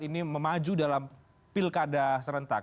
ini memaju dalam pilkada serentak